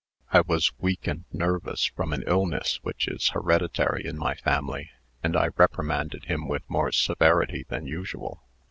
I was weak and nervous from an illness which is hereditary in my family, and I reprimanded him with more severity than usual.